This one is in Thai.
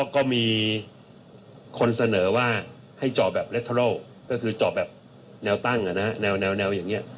ก็มีคนเสนอว่าให้จ่อแบบแนวตั้งแนวอย่างนี้